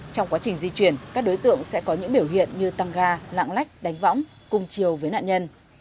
trong quá trình di chuyển các đối tượng sẽ có những biểu hiện như tăng ga lạng lách đánh võng cùng chiều với nạn nhân